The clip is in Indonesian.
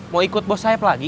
mau ikut bos sayap lagi